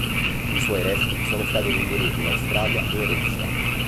I suoi resti sono stati rinvenuti in Australia e in Russia.